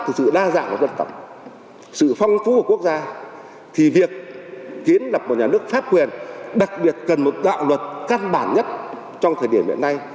từ sự đa dạng của dân tộc sự phong phú của quốc gia thì việc kiến lập một nhà nước pháp quyền đặc biệt cần một đạo luật căn bản nhất trong thời điểm hiện nay